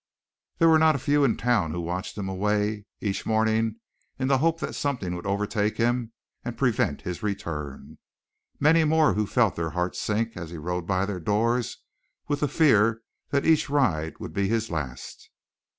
There were not a few in town who watched him away each morning in the hope that something would overtake him and prevent his return; many more who felt their hearts sink as he rode by their doors with the fear that each ride would be his last.